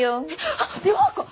あっ涼子！